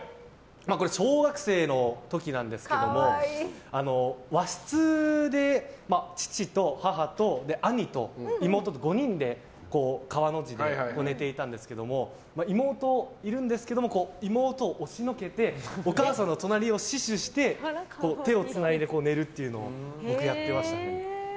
これは小学生の時なんですが和室で父と母と兄と妹と５人で、川の字で寝ていたんですが妹いるんですけど妹を押しのけてお母さんの隣を死守して手をつないで寝るっていうのを僕、やってましたね。